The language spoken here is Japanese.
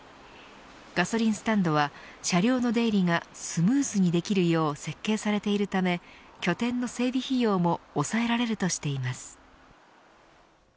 ガソリンスタンドは車両の出入りがスムーズにできるよう設計されているため拠点の整備費用も抑えられるとしています。